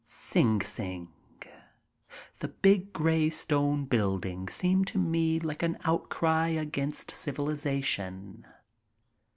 Sing Sing. The big, gray stone buildings seem to me like an outcry against civilization.